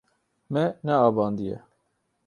Me neavandiye.